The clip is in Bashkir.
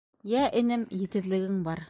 — Йә, энем, етеҙлегең бар.